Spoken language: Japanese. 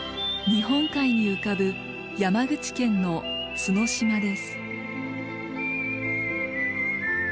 日本海に浮かぶ山口県の角島です。